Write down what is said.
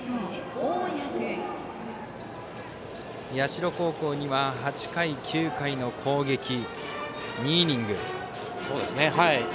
社高校には８回、９回の攻撃２イニング。